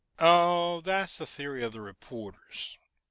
"Oh, that's the theory of the reporters.